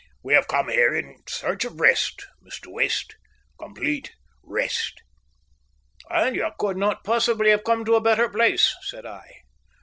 We have come here in search of rest, Mr. West complete rest." "And you could not possibly have come to a better place," said I.